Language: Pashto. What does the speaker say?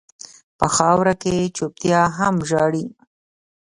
په خاوره کې چپتيا هم ژاړي.